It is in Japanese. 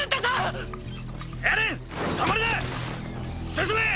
進め！